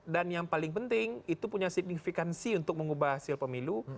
dan yang paling penting itu punya signifikansi untuk mengubah hasil pemilu